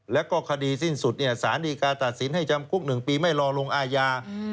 แล้วก็คดีสิ้นสุดสารดีกาตัดสินให้จำคุก๑ปีไม่รอลงอาญา